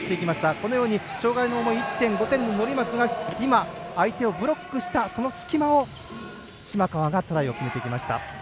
このように障がいの重い１．５点の乗松が相手をブロックした、その隙間を島川がトライを決めてきました。